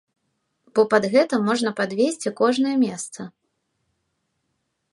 Бо пад гэта можна падвесці кожнае месца.